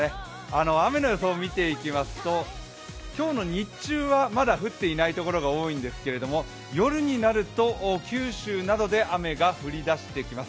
雨の予想を見ていくと、日中はまだ降っていない所が多いんですが、夜になると九州などで雨が降り出してきます。